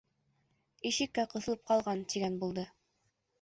— Ишеккә ҡыҫылып ҡалған, тигән булды.